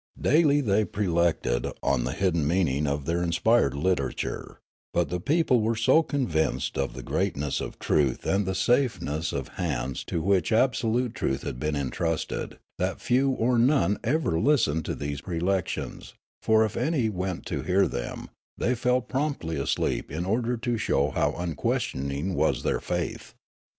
Dail}^ they prelected on the hidden meaning of their inspired literature ; but the people were so convinced of the greatness of truth and the safeness of the hands to which absolute truth had been intrusted, that few or none ever listened to these prelections, for if any went to hear them, they fell promptly asleep in order to show how unquestioning was their faith.